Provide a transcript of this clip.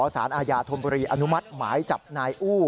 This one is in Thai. สารอาญาธมบุรีอนุมัติหมายจับนายอู้